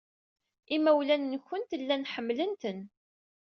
Imawlan-nwent llan ḥemmlen-ten.